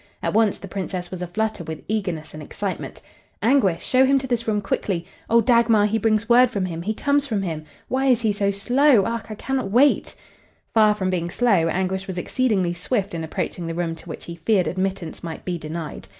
At once the Princess was aflutter with eagerness and excitement. "Anguish! Show him to this room quickly! Oh, Dagmar, he brings word from him! He comes from him! Why is he so slow? Ach, I cannot wait!" Far from being slow, Anguish was exceedingly swift in approaching the room to which he feared admittance might be denied.